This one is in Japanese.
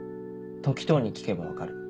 「時任に聞けば分かる」。